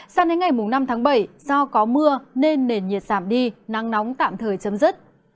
sau đến ngày năm bảy do có mưa nên nền nhiệt giảm đi nắng nóng tạm thời chấm dứt